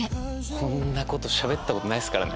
こんなこと喋ったことないです